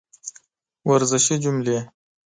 ورزشي جملې